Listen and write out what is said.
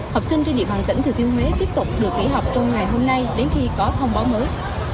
học sinh trên địa bàn tỉnh thừa thiên huế tiếp tục được kỹ học trong ngày hôm nay đến khi có thông báo mới